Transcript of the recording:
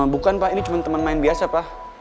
bukan pak ini cuma teman main biasa pak